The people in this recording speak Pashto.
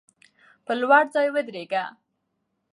پر لوړ ځای ودریږه.